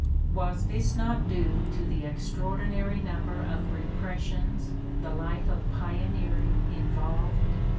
Was this not due to the extraordinary number of re pressions the life of pioneering involved?